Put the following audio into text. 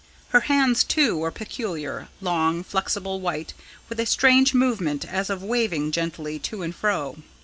Her hands, too, were peculiar long, flexible, white, with a strange movement as of waving gently to and fro.